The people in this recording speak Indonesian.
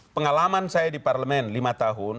pengalaman saya di parlemen lima tahun